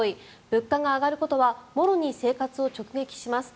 物価が上がることはもろに生活を直撃します。